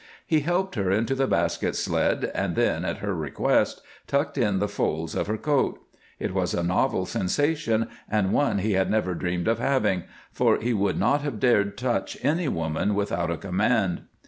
He helped her into the basket sled and then, at her request, tucked in the folds of her coat. It was a novel sensation and one he had never dreamed of having, for he would not have dared touch any woman without a command.